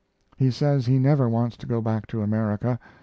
He says he never wants to go back to America.